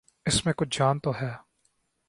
اس میں کچھ جان تو ہے۔